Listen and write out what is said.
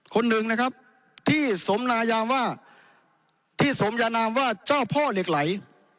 คนหนึ่งนะครับที่สมนายามว่าที่สมยานามว่าเจ้าพ่อเหล็กไหล